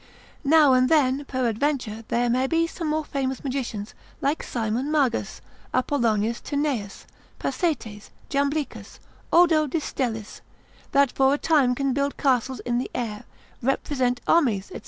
Now and then peradventure there may be some more famous magicians like Simon Magus, Apollonius Tyaneus, Pasetes, Jamblichus, Odo de Stellis, that for a time can build castles in the air, represent armies, &c.